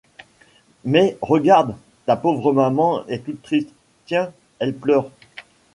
Mais regarde, ta pauvre maman est toute triste ; tiens, elle pleure !